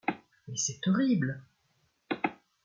Mais c’est horrible !